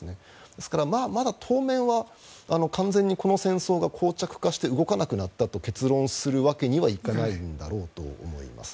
ですからまだ当面はは完全にこの戦争がこう着化して動かなくなったという結論ではないと思います。